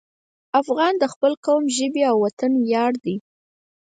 افغان د خپل قوم، ژبې او وطن ویاړ دی.